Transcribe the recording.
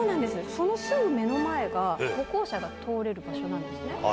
そのすぐ目の前が、歩行者が通れる場所なんですね。